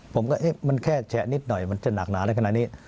ผมก็มันแค่แฉะนิดหน่อยมันจะหนักหนาแล้วขนาดนี้